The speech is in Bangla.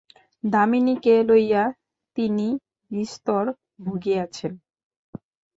দামিনীকে লইয়া তিনি বিস্তর ভুগিয়াছেন।